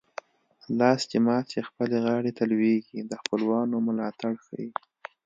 لاس چې مات شي خپلې غاړې ته لوېږي د خپلوانو ملاتړ ښيي